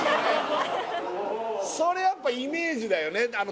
それやっぱイメージだよね